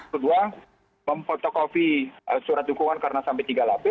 kedua memfotokopi surat dukungan karena sampai tiga lapis